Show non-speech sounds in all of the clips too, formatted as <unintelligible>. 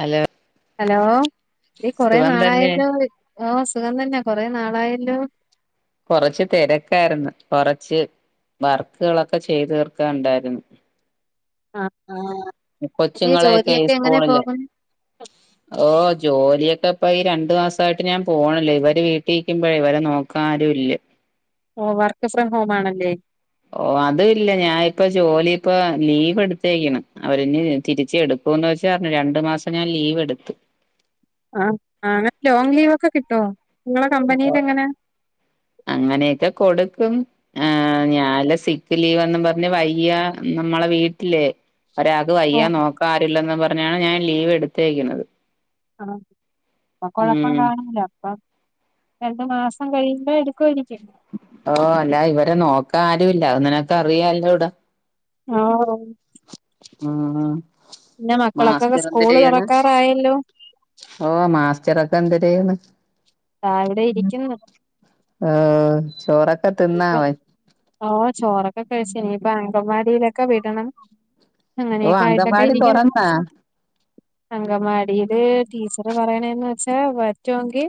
Hello hello ഈ കൊറെ സുഖം തന്നെ നാളായാല്ലോ വി ഓ സുഖം തന്നാ കൊറെനാളായല്ലോ? കൊറച്ച് തിരക്കായിരുന്നു കൊറച്ച് വർക്കുകളൊക്കെ ചെയ്തു തീർക്കാ ണ്ടായിരുന്നു. ആഹ് കൊച്ചുങ്ങളെയൊക്കെ എങ്ങനെ സ്കൂളില് പോകുന്നു ഓ ജോലിയൊക്കെ ഇപ്പൊ ഈ രണ്ടു മാസായിട്ട് ഞാൻ പോണില്ല ഇവര് വീട്ടിക്കുമ്പോഴേ ഇവരെ നോക്കാരും ഇല്ല. ഓ വർക്ക് ഫ്രം ഹോം ആണല്ലേ? ഓ അത് ഇല്ല ഞാനിപ്പോ ജോലി ഇപ്പ ലീവ് എടുത്തേക്ക്ണ് അവര് ഇനി തിരിച്ചു എടു പോന്നു <unintelligible> രണ്ടു മാസം ഞാൻ ലീവ് എടുത്തു. ആഹ ആങ്ങ ലോങ്ങ് ലീവ് ഒക്കെ കിട്ടോ? നിങ്ങളെ ഓ കമ്പനിയിൽ എങ്ങനെ അങ്ങനെയൊക്കെ കൊടുക്കും. ആഹ ഞാല് സിക്ക് ലീവ്ന്നും പറഞ്ഞ് വയ്യ നമ്മളെ വീട്ടില് ഒരാക്കു ഓ വയ്യ നോക്കാരുല്ലന്ന് പറഞ്ഞാണ് ഞാൻ ലീവ് എടുത്തേക്കുന്നത്. ആഹ അ കൊഴപ്പം ഉം കാണില്ല. അപ്പ രണ്ടു മാസം കഴിയുമ്പോ എടുക്കുംമായിരിക്കും ഓ അല്ല ഇവരെ നോക്കാ ആരുമില്ല നിനക്കു അറിയല്ലോടാ ആഹ് ആഹ് ആഹ് പിന്നെ മക്കളൊക്കെക്കെ സ്കൂള് തുറക്കാറായല്ലോ? ഓ മാസ്റ്ററ്ക്കെ എന്തര്യ്യ്ണ്. ദാ ഇവിടെ ഇരിക്കുന്നു <inaudible> ആഹ് ഇപ്പൊ ഓ ചോറൊക്കെ കഴിച്ച് നിയിപ്പൊ അങ്കൻവാടിയിലൊക്കെ വിടണം. ഓഹ് അങ്ങനെയൊക്കെ ആയിട്ടൊക്കെ അങ്കവാടി ഇരിക്കണ് തൊറന്നാ അങ്കവാടിയില് ടീച്ച അത് പറയണേന്ന് വെച്ചാ പറ്റോങ്കി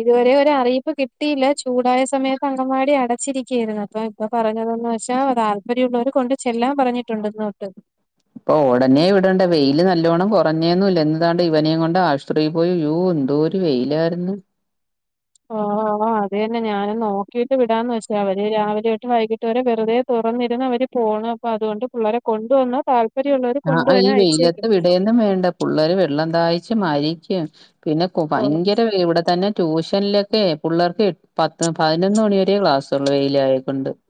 ഇതുവരെ ഒര അറിയിപ്പ് കിട്ടിയില്ല. ചൂടായ സമയത്ത് അങ്കവാടി അടച്ചിരിക്കായിരുന്നു. അപ്പൊ ഇപ്പൊ പറഞ്ഞതന്ന് വെച്ചാ, താല്പര്യള്ളൊവര് കൊണ്ട് ചെല്ലാൻ പറഞ്ഞിട്ടുണ്ട് <unintelligible> <unintelligible> ഉടനെ ഇവിടേണ്ട. വെയില് നല്ലോണം കുറഞ്ഞേന്നും ഇല്ല. ഇന്ന്താണ്ട് ഇവനേം കൊണ്ട് ആശ്റത്രിയിൽ പോയി വ്യൂ എന്തോര് വെയിലായിര്ന്ന് ഓആആഹ് അതന്നെ ഞാൻ നോക്കിട്ട് വിടാന്ന് വെച്ച! അവര് രാവിലേട്ട് വൈകിട്ട് വരെ വെറുതെ തോറ തുറന്നിരുന്ന് അവര് <unintelligible> അതുകൊണ്ട് പിള്ളരെ കൊണ്ടുവന്ന് താല്പ ആ ആ ഈ വെയിലത്ത് വിടേന്നും വേണ്ട, പിള്ളേര് വെള്ളം ദാഹിച്ച് മരിക്കും, പിന്നെ ഓഹ് ഭയങ്കര <inaudible> ഇവിടെ തന്നെ ട്യൂഷനിലൊക്കെ പിള്ളേർക്ക് പത്ത് പതിനൊന്ന് മണി വരേ ക്ലാസ്സുള്ളു വെയിൽ ആയക്കൊണ്ട് <inaudible>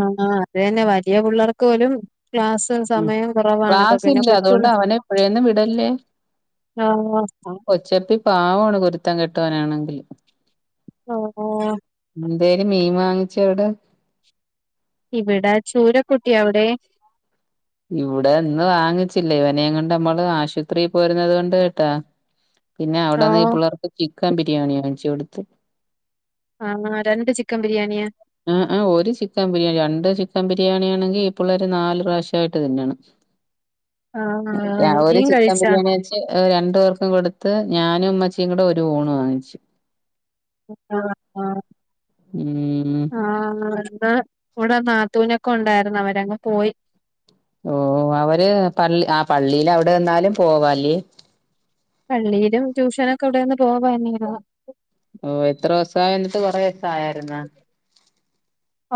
ആ അത് തന്നെ, വലിയ പിള്ളേർക്ക് പോലും ക്ലാസ് ഉം സമയം കുറവാണ്. അപ്പൊ ക്ലാസ് പിന്നെ ഇല്ല, അതുകൊണ്ട് കൊച്ചുപിള്ള അവനെ എപ്പഴേന്നും വിടല്ലേ ഓഹ് ആ കൊച്ചപ്പി പാവമാണ്, കുരുത്തം കെട്ടവാനാണെങ്കിലും. <unintelligible> എന്തേലും മീൻ വാങ്ങിച്ചാ അവിടെ? ഇവിടെ ചൂരക്കുട്ടി, അവിടെ? ഇവിടെ ഇന്ന് വാങ്ങിച്ചില്ല, ഇവനേം കൊണ്ട് മ്മള് ആശൂത്രീ പോയിരുന്നത് കൊണ്ട് കേട്ടാ പിന്നെ ഓ അവിടെന്ന് ഈ പിള്ളേർക്ക് ചിക്കൻ ബിരിയാണി വാങ്ങിച്ചു കൊടുത്ത്. ആഹാ രണ്ട് ചിക്കൻ ബിരിയാണിയാ? ആആ ഒരു ചിക്കൻ ബിരിയാണി. രണ്ട് ചിക്കൻ ബിരിയാണി ആണെങ്കി ഈ പിള്ളേര് നാല് പ്രാവശ്യയിട്ട് തിന്നണം. ആ <inaudible> ഒരു നീയും ചിക്കൻ കഴിച്ചാ ബിരിയാണി വെച്ച് രണ്ടു പേർക്കും കൊടു ത്ത് ഞാനും ഉമ്മച്ചിയും കൂടെ ഒരു ഊണ് വാങ്ങിച്ചു. ആ ആ ഉം ആ എന്താ ഇവിടെ നാത്തൂനൊ ക്കൊണ്ടായിരുന്നു, അവരങ്ങ് പോയി. ഓ അവര് <unintelligible> ആ പള്ളീൽ അവിടെ നിന്നാലും പോവാല്ലേ? പള്ളിയിലും ട്യൂഷനൊക്കെ ഇവിടെന്ന് <unintelligible> ഓ എത്ര ദിവസായി എന്നിട്ട് കൊറേ ദിവസായായിരുന്നോ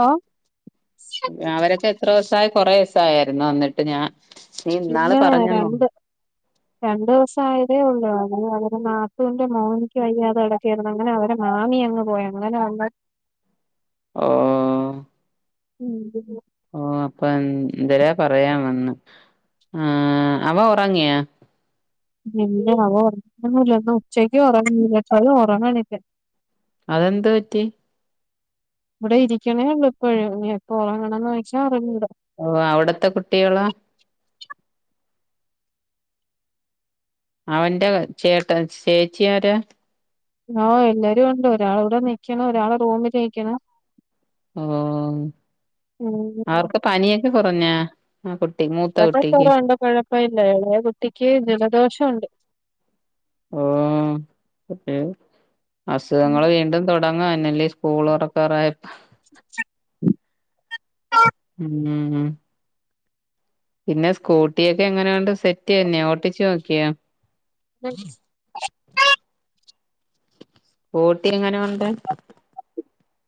ആ <inaudible> അവരൊക്കെ എത്ര ദിവസായി, കൊറേ ദിവസായാരുന്നു വന്നിട്ട് ഞാ പിന്നെ രണ്ട് രണ്ടു ദിവസായതേ ഉള്ളൂ <unintelligible> നാത്തൂന്റെ മോനിക്ക് വയ്യാത കിടക്കേരുന്നു, അങ്ങനെ അവരെ മാമി അങ്ങ് പോയി, അങ്ങനെ അ ആ <inaudible> ഓ അപ്പൊ എന്തരാ പറയാൻ വന്ന് ആ അവൻ ഒറങ്ങിയാ? ഇല്ല അവൻ <inaudible> ഇന്ന് ഉച്ചക്ക് ഒറങ്ങീല്ലച്ചാലും ഒറങ്ങണില്ല. അതെന്ത് പറ്റി? ഇവിടെ ഇരിക്കണേ ഉള്ളൂ ഇപ്പൊഴും. ഇനി എപ്പ ഒറങ്ങണന്ന് ചോദിച്ചാ അറിഞ്ഞൂട. ഓ അവിടത്തെ കുട്ടികളാ? അവന്റെ ചേട്ട ചേച്ചിയാരാ? ആ എല്ലാരുമുണ്ട്, ഒരാള് ഇവിടെ നിക്കണ്, ഒരാള് റൂമില് നിക്കണ് ഓ ഉം അവർക്ക് പനിയൊക്കെ കുറഞ്ഞാ? ആ കുട്ടി മൂത്ത അതൊക്ക കുട്ടിക്ക് കുറവുണ്ട്, കൊഴപ്പയില്ല. എളയകുട്ടിക്ക് ജലദോഷം ഉണ്ട്. ഓ <unintelligible> അസുഖങ്ങള് വീണ്ടും തൊട <unintelligible> സ്കൂള് തൊക്കാറായപ്പൊ <inaudible> ഉം പിന്നെ സ്കൂട്ടിയൊക്കെ എങ്ങനെയൊണ്ട്? സെറ്റ് തന്നെ? ഓട്ടിച്ച് നോക്കിയാ? സ്കൂട്ടി എങ്ങനെ ഒണ്ട്?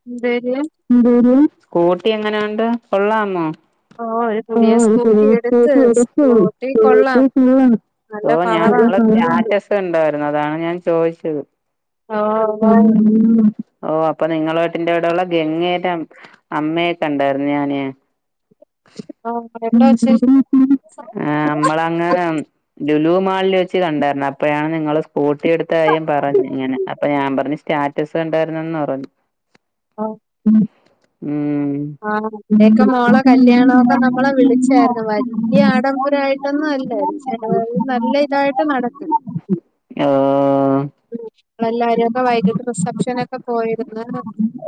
എന്തര് <inaudible> സ്കൂട്ടി എങ്ങനെ ഒണ്ട്, കൊള്ളാമോ? ഓ ഒരു പുതിയ സ്കൂട്ടി എടുത്ത് സ്കൂട്ടി കൊള്ളാം <inaudible> നല്ല ഓ ഞാൻ നിങ്ങളെ പവറാണ് സ്‌റ്റാറ്റസ് കണ്ടാര് ന്നു, അതാണ് ഞാൻ ചോദിച്ചത്. ഓ ഓ <inaudible> ഓ അപ്പൊ നിങ്ങള വീട്ടിന്റെ അവിടൊള്ള ഗംഗേടെ അമ്മയെ കണ്ടാര്ന്നു ഞാനേ. ഓ എവിടെ വച്ച് <inaudible> ആ മ്മളങ്ങ് ലുലു മാളില് വെച്ച് കണ്ടായിര്ന്ന്, അപ്പഴാണ് നിങ്ങള് സ്കൂട്ടി എടുത്ത കാര്യം പറഞ്ഞ് ഇങ്ങനെ, അപ്പൊ ഞാൻ പറഞ്ഞ് സ്റ്റാറ്റസ് ഉണ്ടായിരുന്നന്ന് പറഞ്ഞു ആഹ ഉം ആഹാ എക്കെ മോളെ കല്യാണൊക്കെ നമ്മളെ വിളിച്ചായിരുന്നു വല്ല്യ ആഡംബരമായിട്ടൊന്നുല്ലാ ചെല നല്ല ഇതായിട്ട് നടക്ക് ആ-ആ-ആഹ്മ്മ്‌ എല്ലാരും ഒക്കെ വൈകിട്ട് റിസപ്ഷനൊക്കെ പോയിന്ന്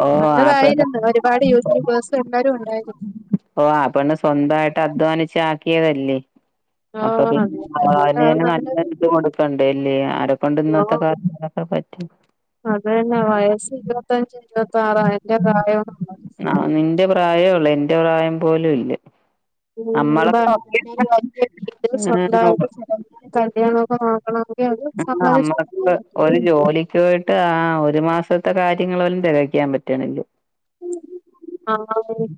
ഓഹ് ആപ്പന്നെ നല്ലതായിരുന്നു ഒരുപാട് യൂട്യൂബേഴ്സ് എല്ലരും ഉണ്ടായിരുന്നു ഓ അപ്പണ് സ്വന്തമായിട്ട് അധ്വാനിച്ചക്കിയതല്ലേ അപ്പൊ ആഹ് അതെ അതുകൊണ്ട് പിന്നെ അത് നല്ല നല്ലൊരു ഇത് കൊടുക്കണ്ടല്ലേ ആരെക്കൊണ്ട് ഇന്നത്തെ കാര്യങ്ങളൊക്കെ പറ്റും അതന്നെ വയസ്സ് ഇരുപത്തഞ്ച് ഇരുപത്തി ആറ്അൻന്റെ പ്രായവുംള്ള ആഹ് നിന്റെ പ്രായേ എന്റെ പ്രായം പോലും ഇല്ല നമ്മളെ <unintelligible> സ്വന്തമായിട്ട് കല്യാണം <unintelligible> നമ്മക്ക് ഒരു ജോലിക്ക്പോയിട്ട്ആ ഒരു മാസത്തെ കാര്യങ്ങള് പോലും തികയ്ക്കാൻ പറ്റണില്ല ആഹ് <unintelligible>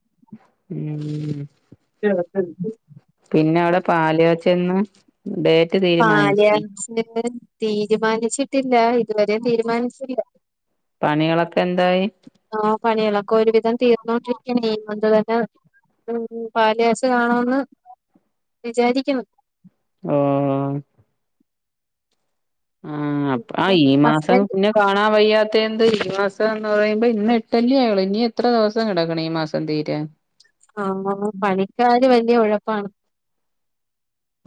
ഉം <unintelligible> പാലാച്ചന്ന് ഡേറ്റ് തീരുമാനിച്ചി പാല്കാച്ചിന് തീരുമാനിച്ചിട്ടില്ല ഇതുവരേം തീരുമാനിച്ചില്ല പണികളൊക്കെ എന്തായി ആഹ് പണികളൊക്കെ ഒരു വിധം തീർന്നോണ്ടിരിക്കതു <unintelligible> ഉംപാല്കാച്ചലാണോന്ന് വിചാരിക്കുന്നു ആം ആ ഹ്അപ്പ പിന്നെ ഈ മാസം ഹസ്ബൻഡ് പിന്നെ കാണാൻ വയ്യാ തെന്ത് ഈ മാസം എന്ന് പറയുമ്പോ ഇന്ന് ഇട്ടല്ലെ ആയുള്ളൂ ഇനി എത്ര ദിവസം കിടക്കണുഈ മാസം തീരാൻ ആഹ് <unintelligible> പണിക്കാാര് വല്യയ ഉഴപ്പാണ്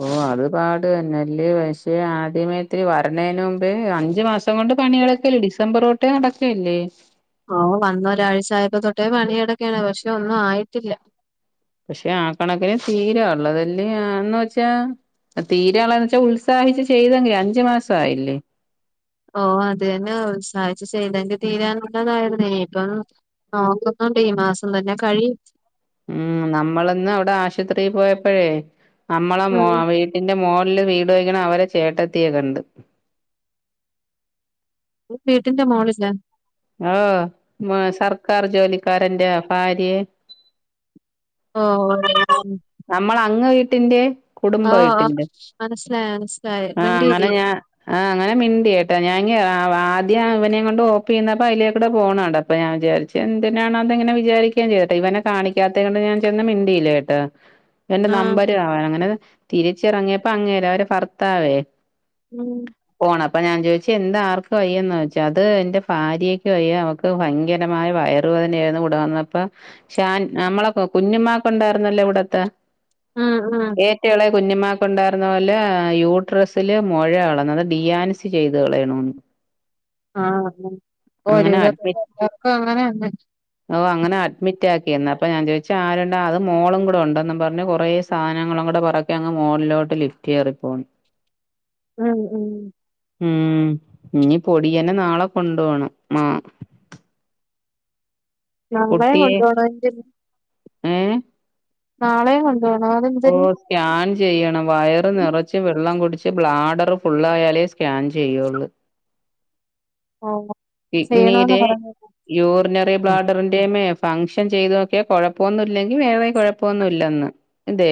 ഓ അത്പാട് തെന്നല്ലേപക്ഷേ ആദ്യമേത്തിരി വരണേന് മുമ്പ് അഞ്ചു മാസം കൊണ്ട് പണികളൊക്കെല്ലേ ഡിസംബർതൊട്ടേ നടക്കല്ലേ ഓ വന്ന ഒരാഴ്ച ആയപ്പോ തൊട്ടേ പണി നടക്കാണ് പക്ഷെ ഒന്നും ആയിട്ടില്ല പക്ഷെ ആ കണക്കിന് തീരാ ഉള്ളതെല് ആ വെച്ചാ തീരളാന്ന് വച്ചാ ഉത്സാഹിച്ച് ചെയ്തെങ്കും അഞ്ചു മാസയില്ലേ ഓ അത് തന്നെ ഉത്സാഹിച്ച് ചെയ്തന്റെ തീരാനുള്ളതായിരുന്നേ എനിക്ക് തോന്നു നോക്കുന്നു ണ്ട് ഈ മാസം തന്നെ കഴിയും ഉം നമ്മൾ ഇന്ന് അവിടെ ആശുപത്രിയിൽ പോയപ്പോഴേ നമ്മളെ ഉം വീട്ടിന്റെ മോള് ല് വീട് വെക്കണ അവരുടെ ചേട്ടത്തിയെ കണ്ടു വീട്ടിന്റെ മോളിലാ ഓ മ സർക്കാർ ജോലിക്കാരൻന്റെ ഭാര്യയെ ഓ ഓ നമ്മൾ അങ്ങ് വീട്ടിന്റെ കുടുംബ ഓഹ് ഓഹ് ആയിട്ടുണ്ട് മനസ്സിലായി മനസ്സിലായി ആഹ് അങ്ങനെ വണ്ടിയില്ലേ ഞാൻ ആഹ് അങ്ങനെ മിണ്ടിയട്ടാ ഞാൻ ങ്ങ ആദ്യം അവനെയും കൊണ്ട് ഓപ്പി നിന്നപ്പോ അയിലേക്കോടെ പോകുന്നത് അപ്പൊഞാൻ വിചാരിച്ചു എന്തിനാണോ ഇങ്ങനെ വിചാരിക്ക ചെയ്തട്ടെ ഇവെനെ കാണിക്കാത്തത് കൊണ്ട് ഞാൻ ചെന്ന് മിണ്ടിയില്ല കേട്ടോ എന്റെ ആഹ് നമ്പര് ആവാൻ അങ്ങനെ തിരിച്ചറങ്ങിയപ്പോ അങ്ങേരുടെഭർത്താവേ ഉം അപ്പഞാൻ ചോദിച്ചു എന്താർക്ക വയ്യന്ന് വെച്ചാൽ അത് എൻ്റെ ഭാര്യയ്ക്ക് വയ്യാ അവക്ക് ഭയങ്കരമായ വയറ റ് വേദന ആയിരുന്നു ഇവിടെ വന്ന പ്പൊ ക്ഷെനമ്മളെ കുഞ്ഞുമ്മാക്ക് ഉണ്ടായിരുന്നല്ലോ ഇവിടെ ത്ത ഉം ഉം ഏറ്റ എളേ കുഞ്ഞുമാക്ക്ണ്ടായിരുന്ന പോലെ യൂട്രസില് മൊഴകള് അത്‌ ഡിയൻസി ചെയ്ത് കളയണംന്ന് ആ ഓര് <inaudible> അങ്ങനെ അഡ്മിറ്റ് എല്ലർക്കും അങ്ങനെ ഓ അങ്ങനെ അഡ്മിറ്റക്കിന്ന് അപ്പൊ ഞാൻ ചോദിച്ചാ ആരൊണ്ട് അത് മോളും കൂടെ ഉണ്ട് എന്നും പറഞ്ഞ് കൊറേ സാധങ്ങളുടെ പറക്കെ അങ്ങ് മോളിലോട്ട് ലിഫ്റ്റ് കേറി പോണ് ഉം ഉം ഉം ഇനി പൊടിയനെ നാളെ കൊണ്ട് പോണം മാ <unintelligible> കൊണ്ടുപോണായിരിക്കും മ് നാളേയും കൊണ്ട് പോണോ അതെന്തര് സ്കാൻ ചെയ്യണം വയറ് നിറച്ച് വെള്ളം കുടിച്ച് ബ്ലാഡർ ഫുള്ളായാലേ സ്കാൻ ചെയ്യോള് ഓഹ് ചെയ്യണോന്ന് കിഡ്നിടെ പറഞ്ഞു യൂറിനറി ബ്ലാഡറിന്റേം മേ ഫംഗ്ഷൻ ചെയ്തോക്കിയ കൊഴപ്പൊന്നുല്ലെങ്കി വേറെ കൊഴപ്പൊന്നുല്ലന്ന് ഇന്തേ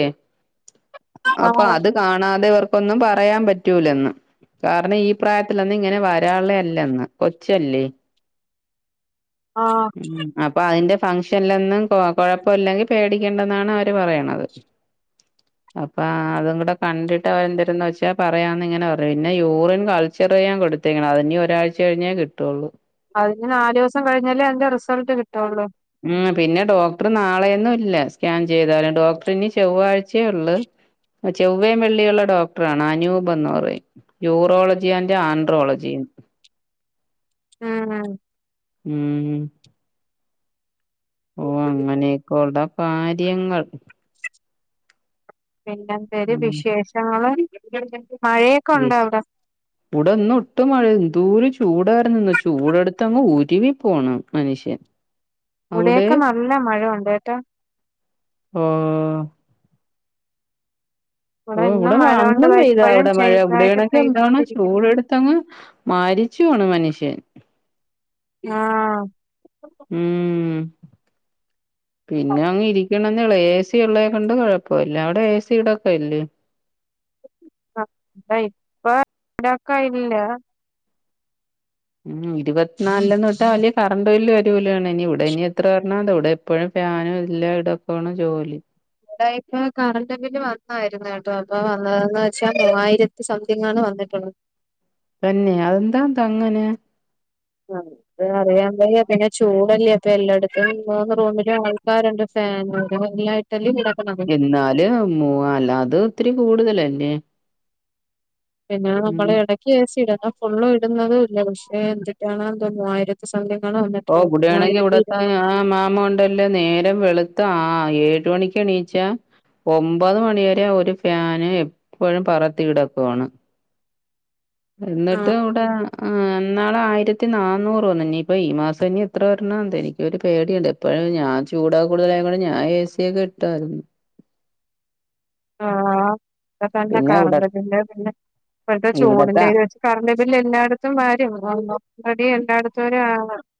അപ്പൊ ആഹ് അത് കാണാതെ ഇവർ ഒന്നും പറയാൻ പറ്റൂല്ലന്ന് കാരണം ഈ പ്രായത്തിലൊന്നും ഇങ്ങനെ വരാള്ളല്ലന്ന് കൊ ച്ചല്ലേ ആഹ് ഉം അപ്പൊ അയിന്റെ ഫംഗ്ഷലൊന്നും കൊ കൊഴപ്പല്ലെങ്കി പേടിക്കണ്ടന്നാണ് അവര് പറയണത് അപ്പൊ അതും കുടെ കണ്ടിട്ട് അവരെന്തിരന്ന് വെച്ചാ പറയാന്ന് ഇങ്ങനെ പറ പിന്നെ യൂറിയൻ കൾച്ചർ ചെയ്യാൻ കൊട് ത്തിക്കണത് ഇനി ഒരാഴ്ച കഴിഞ്ഞേ കിട്ടൊള്ളൂ അതിന് നാല്സം കഴിഞ്ഞല്ലേ അതിന്റെ റിസൾട്ട് കി ഉം പിന്നെ ഡോക്ടറ് നാ ളെയൊന്നും ഇല്ല സ്കാൻ ചെയ്താലും ഡോക്ടറി ഇനി ചൊവ്വാഴ്ച്ചയേ ഒള്ള് ചൊവ്വേയും വെള്ളിയുള്ള ഡോക്ടറണ് അനൂപ് എന്ന് പറയും യൂറോളജി ആൻഡ് ആൻഡ്രോളജി ഉം മ് മ് ഉം ഓ അങ്ങനെക്കെ ഒള്ള കാര്യങ്ങൾ പിന്നെന്തേലും ഉം വിശേഷങ്ങള് മഴയൊക്കെ ഉണ്ടോ വിശ് അവിടെ ഇവിടെ ഒന്ന് ഒട്ടും മഴ ന്തൂര് ചൂടായിരുന്ന് ഇന്ന് ചൂടെടുത്തങ്ങ് ഉരുവി പോണ് മനുഷ്യൻ അവിടെ ഇവിടെയൊക്കെ നല്ല മഴ ഉണ്ട് കേട്ടോ ഓ ഇവിടെ ഓ ഇന്നും ഇവടെ മഴ കൊണ്ട് അന്നും ദാ പെയ്താ ഇപ്പഴും ഇവടെ മഴ ഇവിടെ ചെറുതായിട്ട് ആണെങ്കി എന്താണ് പെയ്തോണ്ടിരിക്കുന്നു ചൂട് എടുത്തങ്ങ് മരി ച്ചുവാണ് മനുഷ്യൻ ആ ഉം പിന്നെ ആഹ് അങ്ങ് ഇരിക്കണം എന്നെ ഒള്ള് ഏ സി ഉള്ളേ കൊണ്ട് കൊഴപ്പ ഇല്ല അവടെ ഏ സി ഇടക്കല്ലേ? ഇപ്പൊ ഇവടക്ക ഇല്ല ഉം ഇരുപത്തിനാല്ന്ന്ട്ടാ വല്യ കറണ്ട് ബില്ല് വരൂലാണ് ഇനി ഇവിടെ ഇനി എത്ര വരണാന്തോ ഇവടെ എപ്പഴും ഞാനും എല്ലാ ഇടക്കൊണ് ജോലി ഇടാ ഇപ്പ കറണ്ട് ബില്ല് വന്നായിര്ന്ന് കേട്ടോ അപ്പൊ വന്നതെന്ന് വെച്ചാ മൂവായിരത്തി സംതിങ്ങ് ആണ് വന്നി ഉം തന്നെ അതെന്താ ന്താ അങ്ങനെ? അ അത് അറിയാവയ്യ പിന്നെ ചൂടല്ലേ അപ്പ എല്ലാടത്തും മൂന്ന് റൂമിലും ആൾക്കാരോണ്ട് ഫാ ഫാനൂടെ <unintelligible> എന്നാല് മൂവാ അല്ലാ അത് ഒത്തിരി കൂടുതലല്ലെ പിന്നെ നമ്മള് എടക്കേച്ച് ഇടുന്ന ഫുള്ളും ഇടുന്നതുംല്ല പക്ഷെ എഞ്ചിട്ടാണ് എന്തോ മൂവായിരത്തി സം ഓ ഇവിടെയാണെങ്കി ഇവിടെത്തെ ആ മാമ ഒണ്ടല്ലന്നെ നേ രം വെളുത്ത് ആ ഏഴ്മണിക്കേണീച്ച ഒമ്പത് മണി വരെ ഒരു ഫാന് എപ്പഴും പറത്തി ഇടക്കവാണ് എന്നിട്ട് ഇരുപത്തിനാല് ഇവിടെ ആ എന്നാള ആയിരത്തി നന്നൂറ് വന്ന ഇനിയിപ്പൾ ഈ മാസം ഇനി എത്ര വരണ എന്ത എനിക്കൊരു പേടിയുണ്ട് എപ്പോഴും ഞാൻ ചൂടാ കൂടുതലായ കൊണ്ട് ഞാൻ എഏ സിയൊക്കെ കിട്ടായിരുന്നു ആ അ തന്നെ ഇവിടെ കറണ്ട് ബില്ല് പിന്നെ ഇഴത്തെ ഇവിടത്തെ ചൂടിന്റെയ്ത് വെച്ച് കറണ്ട് ബില്ല് എല്ലായിടും വരുംടി എണ്ടായിടത്തരു